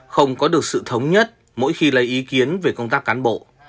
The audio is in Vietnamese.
không có được sự thống nhất mỗi khi lấy ý kiến về công tác cán bộ